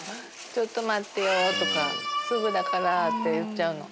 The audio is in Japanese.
「ちょっと待ってよ」とか「すぐだから」って言っちゃうの。